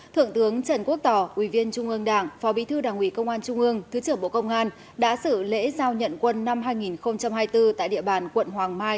thượng tướng trần quốc tỏ ủy viên trung ương đảng phó bí thư đảng ủy công an trung ương thứ trưởng bộ công an đã xử lễ giao nhận quân năm hai nghìn hai mươi bốn tại địa bàn quận hoàng mai